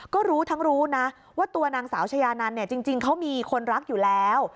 ก็รู้ทั้งรู้นะว่าตัวนางสาวชายานันเนี่ยจริงเขามีคนรักอยู่แล้ว